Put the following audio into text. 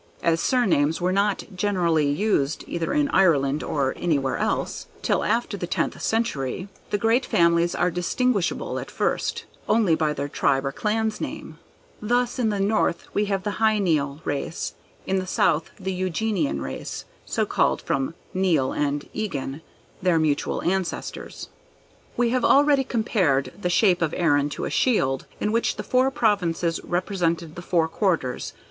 As surnames were not generally used either in Ireland or anywhere else, till after the tenth century, the great families are distinguishable at first, only by their tribe or clan names. Thus at the north we have the Hy Nial race; in the south the Eugenian race, so called from Nial and Eoghan, their mutual ancestors. We have already compared the shape of Erin to a shield, in which the four Provinces represented the four quarters.